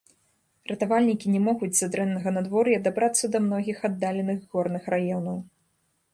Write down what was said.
Ратавальнікі не могуць з-за дрэннага надвор'я дабрацца да многіх аддаленых горных раёнаў.